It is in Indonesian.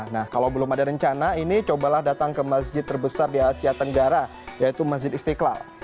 nah kalau belum ada rencana ini cobalah datang ke masjid terbesar di asia tenggara yaitu masjid istiqlal